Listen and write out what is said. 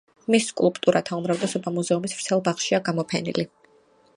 მის სკულპტურათა უმრავლესობა მუზეუმის ვრცელ ბაღშია გამოფენილი.